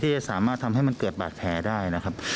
จะสามารถทำให้มันเกิดบาดแผลได้นะครับ